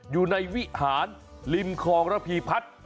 อยู่ในวิหารลิมคลองระพีพัด